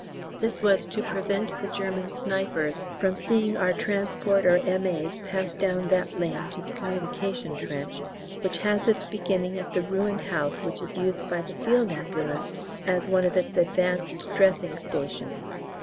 This was to prevent the German snipers from seeing our transport or M.A.'s pass down that lane to the communication trench, which has its beginning at the ruined house which is used by the F.A. as one of its advanced dressing stations.